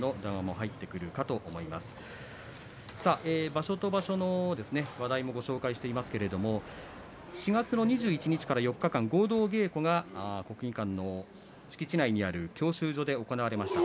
場所と場所の話題もご紹介していますけれども４月の２１日から４日間合同稽古が国技館の敷地内にある教習所で行われました。